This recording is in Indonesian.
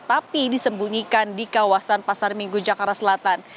tapi disembunyikan di kawasan pasar minggu jakarta selatan